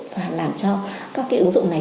và làm cho các cái ứng dụng này